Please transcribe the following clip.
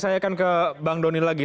saya akan ke bang doni lagi